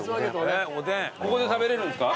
ここで食べれるんですか？